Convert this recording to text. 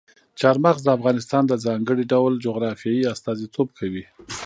چار مغز د افغانستان د ځانګړي ډول جغرافیې استازیتوب کوي.